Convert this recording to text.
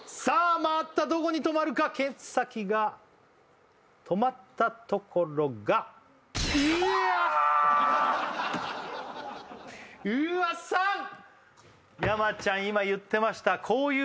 回ったどこに止まるか剣先が止まったところがうわっ３山ちゃん